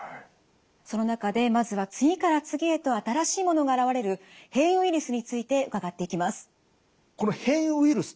その中でまずは次から次へと新しいものが現れる変異ウイルスについて伺っていきます。